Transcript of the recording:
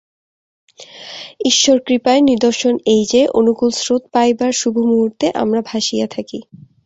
ঈশ্বর-কৃপায় নিদর্শন এই যে, অনুকূল স্রোত পাইবার শুভ মুহূর্তে আমরা ভাসিয়া থাকি।